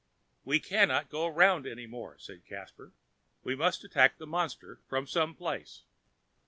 "We cannot go round any more," said Caspar, "we must attack the monster from some place.